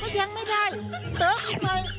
ยังไม่ได้เติมอีกหน่อย